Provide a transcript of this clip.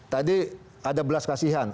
tadi ada belas kasihan